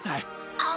ああ。